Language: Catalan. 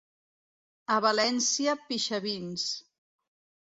A València, pixavins.